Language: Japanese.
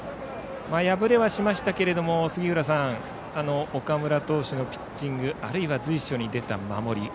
敗れはしましたけれども杉浦さん岡村投手のピッチングあるいは随所に出た守り。